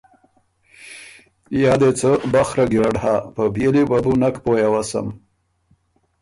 یا دې څه بخره ګیرډ هۀ۔ په بيېلي وه بو نک پویٛ اؤسم